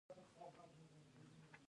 د چاپ صنعت له سقوط سره مخ دی؟